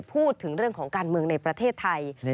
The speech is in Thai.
พูดถึงเรื่องของการเมืองในประเทศไทย